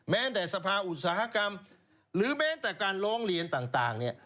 แม้แต่สภาอุตสาหกรรมหรือแม้แต่การร้องเรียนต่างเนี่ย